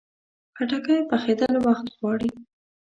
خټکی پخېدل وخت غواړي.